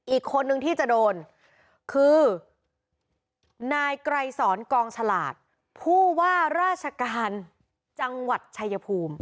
อีกคนนึงที่จะโดนคือนายไกรสอนกองฉลาดผู้ว่าราชการจังหวัดชายภูมิ